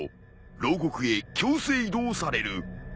ろう獄へ強制移動される。